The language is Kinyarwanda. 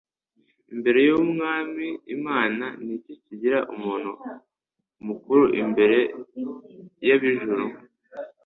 imbere y'umwami Imana"' Ni iki kigira umuntu mukuru imbere y'ab'ijuru?